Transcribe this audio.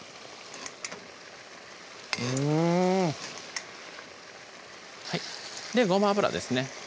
うんごま油ですね